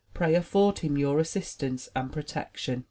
Pray afford him your assistance and protection.